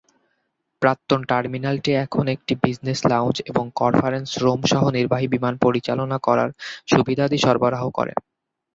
প্রাক্তন টার্মিনালটি এখন একটি বিজনেস লাউঞ্জ এবং কনফারেন্স রুম সহ নির্বাহী বিমান পরিচালনা করার সুবিধাদি সরবরাহ করে।